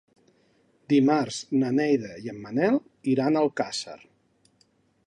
Dimarts na Neida i en Manel iran a Alcàsser.